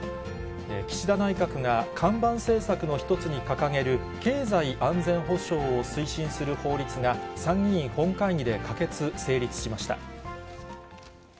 岸田内閣が看板政策の１つに掲げる、経済安全保障を推進する法律が、参議院本会議で可決・成立しました。